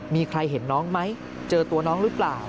มีใครเห็นน้องไหมเจอตัวน้องหรือเปล่า